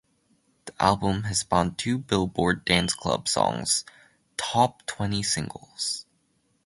The album has spawned two Billboard Dance Club Songs top twenty singles.